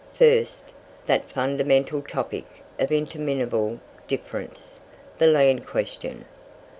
First, that fundamental topic of interminable difference, the Land Question.